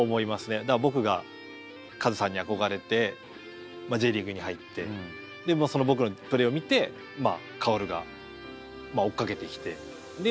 だから僕がカズさんに憧れてＪリーグに入ってでその僕のプレーを見て薫が追っかけてきてでまあ